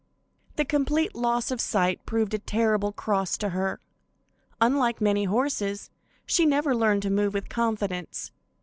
The complete loss of sight proved a terrible cross to her. Unlike many horses, she never learned to move with confidence.